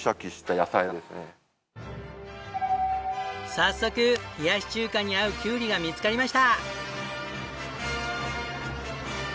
早速冷やし中華に合うきゅうりが見つかりました。